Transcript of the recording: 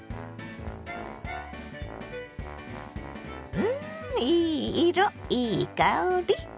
うんいい色いい香り。